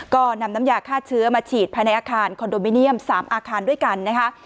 ก็นำน้ำยาฆ่าเชื้อมาฉีดภายในอาคารคอนโดมิเนียม๓อาคารด้วยกันนะคะ